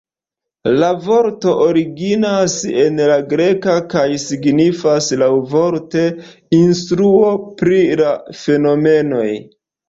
La vorto originas en la greka kaj signifas laŭvorte "instruo pri la fenomenoj".